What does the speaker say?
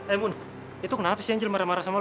eh mun itu kenapa sih angel marah marah sama